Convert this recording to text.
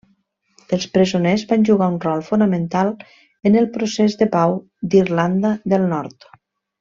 Els presoners van jugar un rol fonamental en el procés de pau d'Irlanda del Nord.